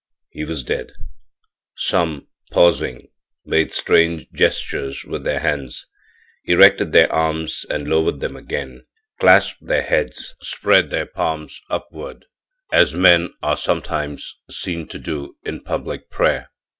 He was dead. Some, pausing, made strange gestures with their hands, erected their arms and lowered them again, clasped their heads; spread their palms upward, as men are sometimes seen to do in public prayer.